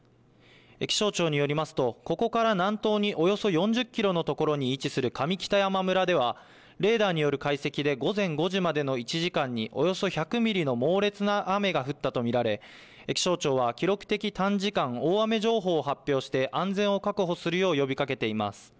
気象庁によりますと、ここから南東におよそ４０キロの所に位置する上北山村では、レーダーによる解析で午前５時までの１時間におよそ１００ミリの猛烈な雨が降ったと見られ、気象庁は、記録的短時間大雨情報を発表して安全を確保するよう呼びかけています。